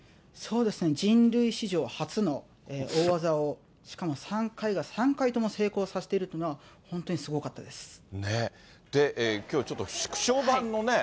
そうですね、人類史上初の大技を、しかも３回が３回とも成功させているっていうのは、本当にすごかったです。